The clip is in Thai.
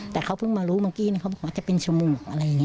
แต่เขาเพิ่งมารู้เมื่อกี้เขาบอกว่าจะเป็นจมูกอะไรอย่างนี้